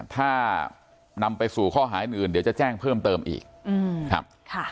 ถ้านำไปสู่ข้อหาอื่นเดี๋ยวจะแจ้งเพิ่มเติมอีกครับ